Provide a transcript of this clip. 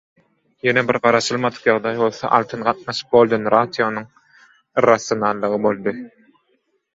Ýene bir garaşylmadyk ýagdaý bolsa "Altyn gatnaşyk-Golden ratio" nyň irrasionallygy boldy.